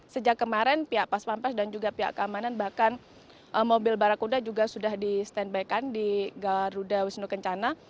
sejak kemarin pihak pas pampres dan juga pihak keamanan bahkan mobil barakuda juga sudah di stand by kan di garuda wisnu kencana